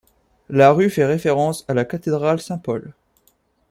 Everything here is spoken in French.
La rue fait référence à la cathédrale Saint-Paul.